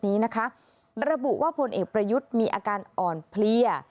นี้นะคะระบุว่าผลเอกประยุทธ์มีอาการอ่อนเพลีย